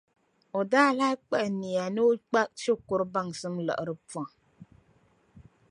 O daa lahi kpuɣi niya ni o kpa shikuru baŋsim liɣiri pɔŋ.